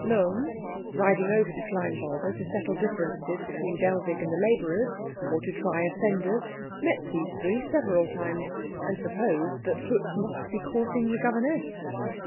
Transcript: Lohm, riding over to Kleinwalde to settle differences between Dellwig and the labourers, or to try offenders, met these three several times, and supposed that Klutz must be courting the governess.